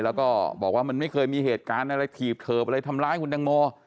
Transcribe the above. แล้วก็บอกว่ามันไม่เคยมีเหตุการณ์อะไรถีบเถิบอะไรทำร้ายคุณตังโม